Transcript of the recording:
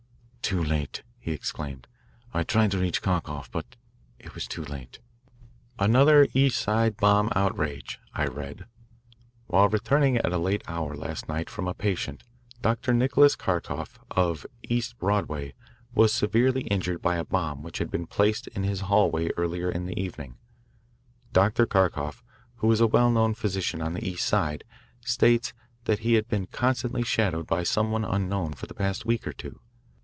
"Too late," he exclaimed. "I tried to reach Kharkoff, but it was too late." "Another East Side Bomb Outrage," I read. "While returning at a late hour last night from a patient, Dr. Nicholas Kharkoff, of East Broadway, was severely injured by a bomb which had been placed in his hallway earlier in the evening. Dr. Kharkoff, who is a well known physician on the East Side, states that he has been constantly shadowed by some one unknown for the past week or two.